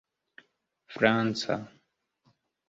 franca